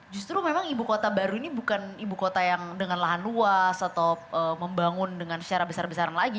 justru memang ibu kota baru ini bukan ibu kota yang dengan lahan luas atau membangun dengan secara besar besaran lagi